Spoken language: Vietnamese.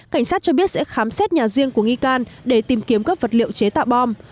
cảnh sát cho biết sẽ khám xét nhà riêng của nghi can để tìm kiếm các vật liệu chế tạo bom